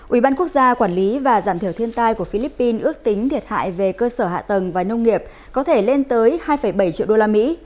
ủy ban quốc gia quản lý và giảm thiểu thiên tai của philippines ước tính thiệt hại về cơ sở hạ tầng và nông nghiệp có thể lên tới hai bảy triệu usd